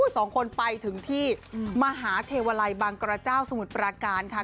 สองคนไปถึงที่มหาเทวลัยบางกระเจ้าสมุทรปราการค่ะ